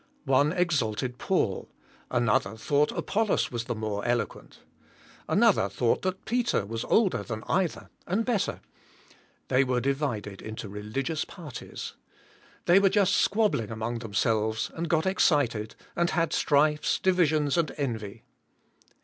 One exalted Paul, another thought ApoUos was the more eloquent; another thought that Peter was older than either and better; they were divided into religious parties. They were just squabbling among themselves and got excited, and had strifes, divisions and envy.